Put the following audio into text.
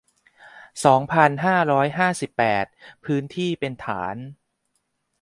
สองพันห้าร้อยห้าสิบแปด พื้นที่เป็นฐาน